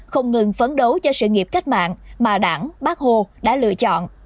không ngừng phấn đấu cho sự nghiệp cách mạng mà đảng bác hồ đã lựa chọn